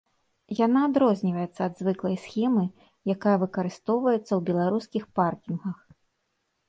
Яна адрозніваецца ад звыклай схемы, якая выкарыстоўваецца ў беларускіх паркінгах.